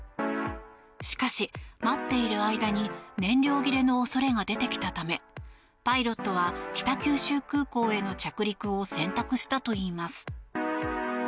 しかし、待っている間に燃料切れの恐れが出てきたためパイロットは北九州空港への着陸を選択したといいます。